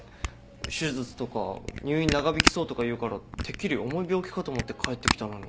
手術とか入院長引きそうとか言うからてっきり重い病気かと思って帰ってきたのに。